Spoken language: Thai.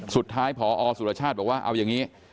สุดท้ายพอสุรชาติบอกว่าเอาอย่างนี้